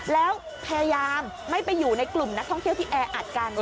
แล้วพยายามไม่ไปอยู่ในกลุ่มนักท่องเที่ยวที่แออัดกัน